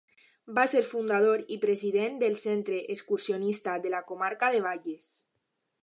Va ser fundador i president del Centre Excursionista de la Comarca de Bages.